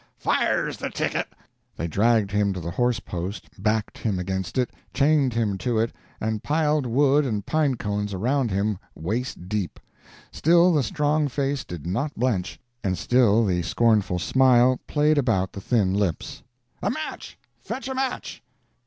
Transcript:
fire's the ticket!" They dragged him to the horse post, backed him against it, chained him to it, and piled wood and pine cones around him waist deep. Still the strong face did not blench, and still the scornful smile played about the thin lips. "A match! fetch a match!"